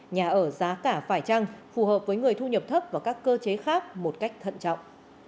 nhà ở giá cả phải trăng phù hợp với người thu nhập thấp và các cơ chế khác một cách thận trọng